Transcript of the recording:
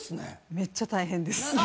めっちゃ大変です。